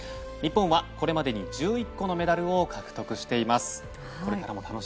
日本はこれまでに１１個のメダルを獲得しています。